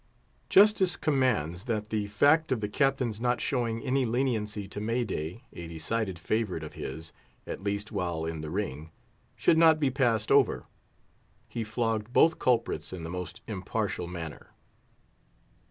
Justice commands that the fact of the Captain's not showing any leniency to May day—a decided favourite of his, at least while in the ring—should not be passed over. He flogged both culprits in the most impartial manner.